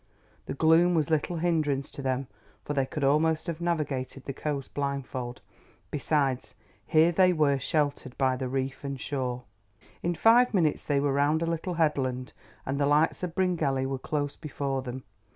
The gloom was little hindrance to them for they could almost have navigated the coast blindfold. Besides here they were sheltered by the reef and shore. In five minutes they were round a little headland, and the lights of Bryngelly were close before them.